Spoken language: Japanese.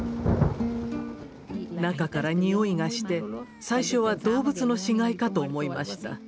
中から臭いがして最初は動物の死骸かと思いました。